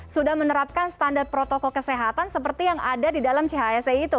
sudah menerapkan standar protokol kesehatan seperti yang ada di dalam chse itu